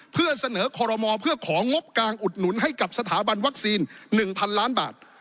เพื่อเสนอคอรมอเพื่อของงบกลางอุดหนุนให้กับสถาบันวัคซีน๑๐๐๐ล้านบาท